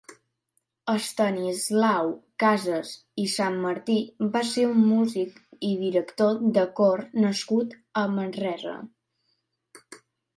Estanislau Casas i Sanmartí va ser un músic i director de cor nascut a Manresa.